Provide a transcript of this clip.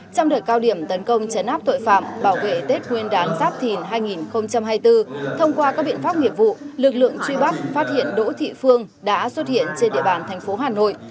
trong đợt cao điểm tấn công chấn áp tội phạm bảo vệ tết nguyên đán giáp thìn hai nghìn hai mươi bốn thông qua các biện pháp nghiệp vụ lực lượng truy bắt phát hiện đỗ thị phương đã xuất hiện trên địa bàn thành phố hà nội